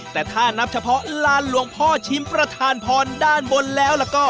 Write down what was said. แต่ถ้านับเฉพาะลานหลวงพ่อชิมประธานพรด้านบนแล้วก็